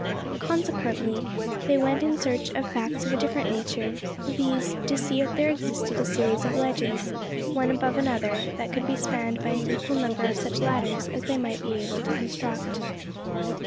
Consequently, they went in search of facts of a different nature viz., to see if there existed a series of ledges, one above another, that could be spanned by an equal number of such ladders as they might be able to construct.